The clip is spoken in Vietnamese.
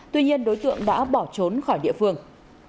tuy nhiên đối tượng đã bỏ trốn khỏi địa phương